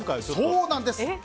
そうなんです。